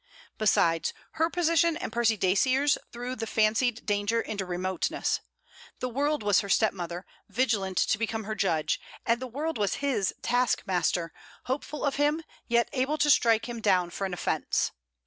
Besides, her position and Percy Dacier's threw the fancied danger into remoteness. The world was her stepmother, vigilant to become her judge; and the world was his taskmaster, hopeful of him, yet able to strike him down for an offence.